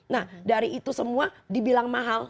nah dari itu semua dibilang mahal